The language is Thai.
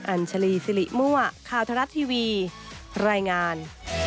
อัญชลีซิริม่วะคาวทะลัดทีวีรายงาน